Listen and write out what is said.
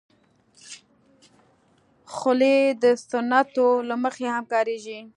خولۍ د سنتو له مخې هم کارېږي.